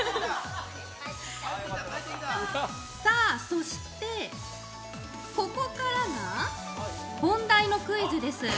そして、ここからが本題のクイズです。